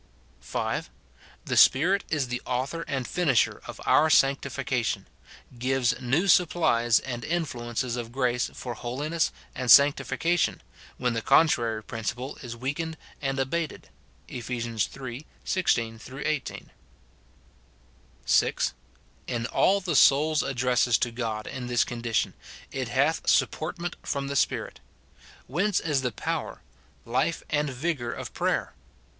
(5.) The Spirit is the author and finisher of our sanc tijicatioyi ; gives new supplies and influences of grace for holiness and sanctification, when the contrary principle is weakened and abated, Eph. iii. 16—18. (6.) In all the soul's addresses to God in this condi tion, it hath sujjportment from the Spirit. Whence is the power, life, and vigour of prayer